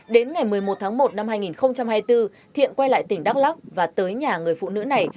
đến ngày một mươi một tháng một năm hai nghìn hai mươi bốn thiện quay lại tỉnh đắk lắc và tới nhà người phụ nữ này